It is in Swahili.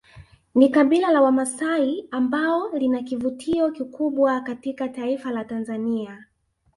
Ni kabila la wamasai ambao lina kivutio kikubwa katika taifa la Tanzania